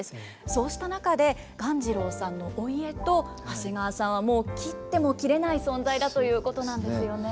そうした中で鴈治郎さんのお家と長谷川さんはもう切っても切れない存在だということなんですよね。